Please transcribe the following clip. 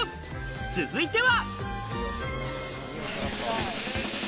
続いては。